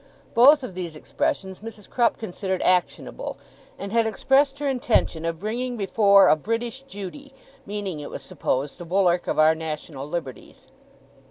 Both of these expressions Mrs. Crupp considered actionable, and had expressed her intention of bringing before a 'British Judy' meaning, it was supposed, the bulwark of our national liberties.